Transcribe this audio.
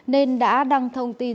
nên đã đăng thông tin